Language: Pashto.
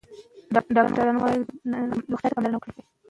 ونې د طبیعي توازن په ساتلو کې مرسته کوي.